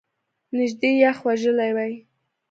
نژدې یخ وژلی وای !